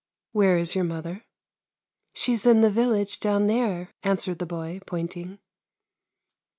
" Where is your mother? "" She's in the village down there," answered the boy, pointing.